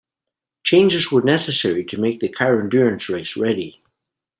Changes were necessary to make the car endurance race ready.